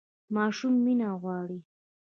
ماشوم مینه غواړي